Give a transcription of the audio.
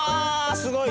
すごい。